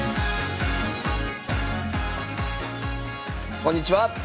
こんにちは。